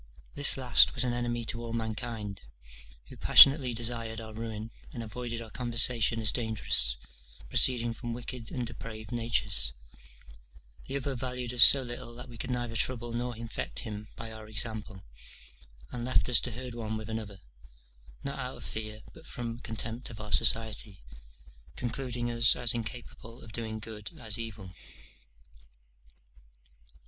This last was an enemy to all mankind, who passionately desired our ruin, and avoided our conversation as dangerous, proceeding from wicked and depraved natures: the other valued us so little that we could neither trouble nor infect him by our example; and left us to herd one with another, not out of fear, but from contempt of our society: concluding us as incapable of doing good as evil.